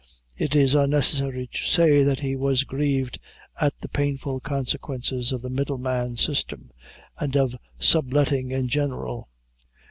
It is unnecessary to say that he was grieved at the painful consequences of the middleman system, and of sub letting in general.